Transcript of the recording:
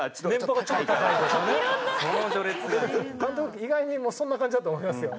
意外にそんな感じだと思いますよ。